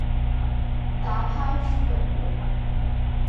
打拋豬肉末